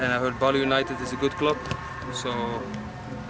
dan saya mendengar bahwa bali united adalah klub yang baik